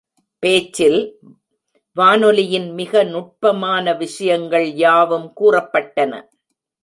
பேச்சில், வானொலியின் மிக நுட்பமான விஷயங்கள் யாவும் கூறப்பட்டன.